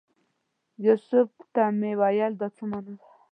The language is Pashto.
یوسف ته مې وویل دا څه مانا؟